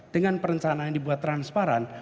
dengan perencanaan dibuat transparan